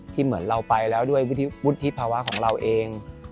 เหมือนเราไปแล้วด้วยวุฒิภาวะของเราเอง